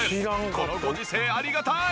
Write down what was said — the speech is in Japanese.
このご時世ありがたい！